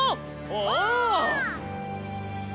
お！